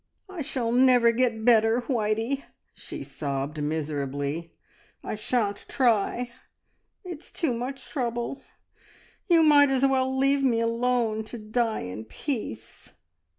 "I shall never get better, Whitey," she sobbed miserably. "I shan't try; it's too much trouble. You might as well leave me alone to die in peace."